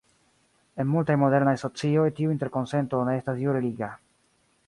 En multaj modernaj socioj tiu interkonsento ne estas jure liga.